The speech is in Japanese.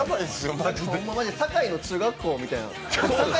堺の中学校みたいな。